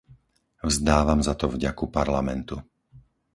Vzdávam za to vďaku Parlamentu.